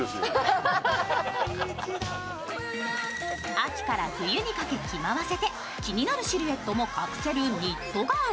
秋から冬にかけ気回せて気になるシルエットも隠せるニットガウン。